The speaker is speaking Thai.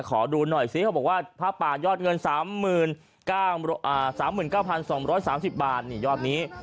ขอดูหน่อยซิเขาบอกว่าผ้าป่ายอดเงิน๓๙๒๓๐บาทนี่ยอดนี้